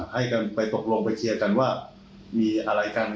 ให้กันไปตกลงไปเคลียร์กันว่ามีอะไรกัน